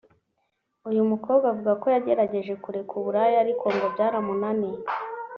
uyu mukobwa avuga ko yagerageje kureka uburaya ariko ngo byaramunaniye